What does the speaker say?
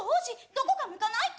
どこか向かないと！